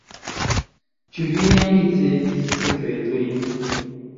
Ĉu vi jam ricevis sekretojn?